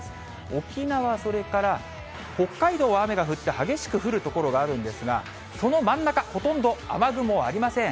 沖縄、それから北海道は雨が降って、激しく降る所があるんですが、その真ん中、ほとんど雨雲ありません。